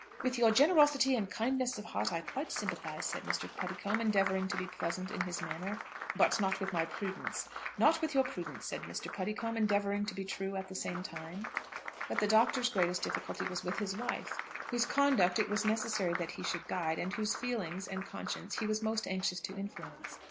"With your generosity and kindness of heart I quite sympathise," said Mr. Puddicombe, endeavouring to be pleasant in his manner. "But not with my prudence." "Not with your prudence," said Mr. Puddicombe, endeavouring to be true at the same time. But the Doctor's greatest difficulty was with his wife, whose conduct it was necessary that he should guide, and whose feelings and conscience he was most anxious to influence.